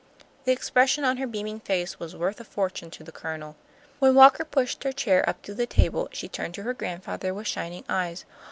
The expression on her beaming face was worth a fortune to the Colonel. When Walker pushed her chair up to the table, she turned to her grandfather with shining eyes.